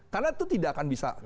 karena itu tidak akan bisa